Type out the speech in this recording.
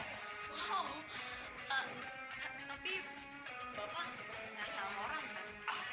wow tapi bapak tidak salah orang kan